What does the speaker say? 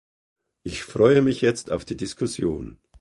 Ich freue mich jetzt auf die Diskussion.